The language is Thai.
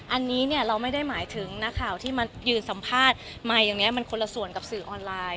อันนี้เนี่ยเราไม่ได้หมายถึงนักข่าวที่มายืนสัมภาษณ์มาอย่างนี้มันคนละส่วนกับสื่อออนไลน์